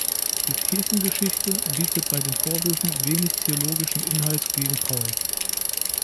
Die "Kirchengeschichte" bietet bei den Vorwürfen wenig theologischen Inhalt gegen Paul.